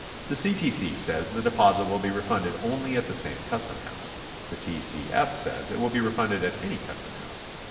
The C. T. C. says the deposit will be refunded only at the same custom house; the T. C. F. says it will be refunded at any custom house.